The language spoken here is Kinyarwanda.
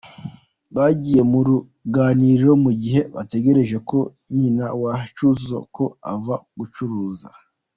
Bagiye mu ruganiriro mugihe bategereje ko nyina wa Cyuzuzo ko ava gucuruza.